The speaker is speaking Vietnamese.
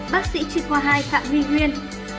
bác sĩ truyền qua hai phạm huy nguyên